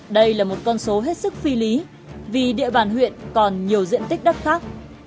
đây là một con số hết sức phi lý vì địa bàn huyện còn nhiều diện tích đất khác